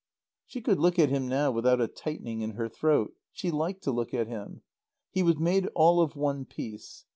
She could look at him now without a tightening in her throat. She liked to look at him. He was made all of one piece.